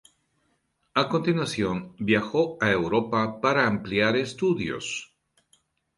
A continuación viajó a Europa para ampliar estudios.